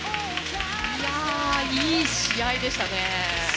いい試合でしたね。